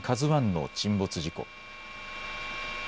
ＫＡＺＵＩの沈没事故。